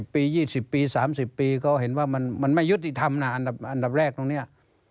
ปี๒๐ปี๓๐ปีเขาเห็นว่ามันไม่ยุติธรรมนะอันดับแรกตรงนี้